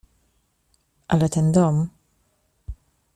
— Ale ten dom…